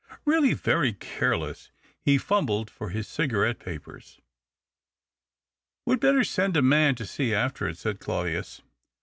"Really, very careless." He fumhled for his cigarette papers. " We'd Ijetter send a man to see after it," said Claudius.